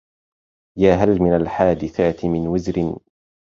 يا هل من الحادثات من وزر